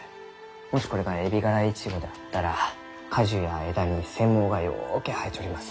もしこれがエビガライチゴだったら花序や枝に腺毛がようけ生えちょります。